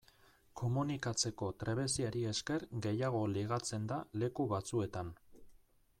Komunikatzeko trebeziari esker gehiago ligatzen da leku batzuetan.